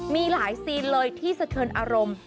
มีหลายซีนเลยที่สะเทินอารมณ์